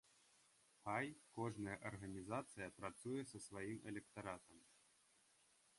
Хай кожная арганізацыя працуе са сваім электаратам.